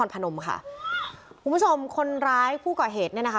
จังหวัดนครพนมค่ะคุณผู้ชมคนร้ายผู้ก่อเหตุเนี่ยนะคะ